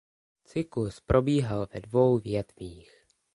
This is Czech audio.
Cyklus probíhal ve dvou větvích.